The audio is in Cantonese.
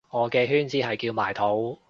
我嘅圈子係叫埋土